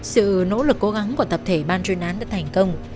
sự nỗ lực cố gắng của tập thể ban chuyên án đã thành công